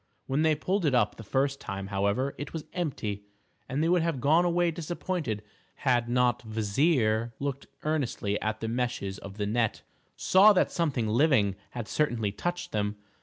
When they pulled it up the first time, however, it was empty, and they would have gone away disappointed had not Kvasir, looking earnestly at the meshes of the net, saw that something living had certainly touched them.